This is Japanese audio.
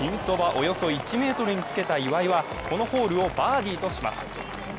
およそ１ｍにつけた岩井は、このホールをバーディーとします。